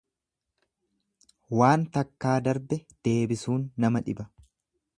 Waan takkaa darbe deebisuun nama dhiba.